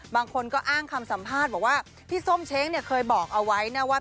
บางคนก็อ้างคำสัมภาษณ์บอกว่าพี่ส้มเช้งเนี่ยเคยบอกเอาไว้นะว่า